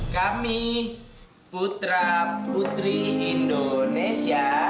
kami putra putri indonesia